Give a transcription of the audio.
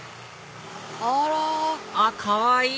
あら！あっかわいい！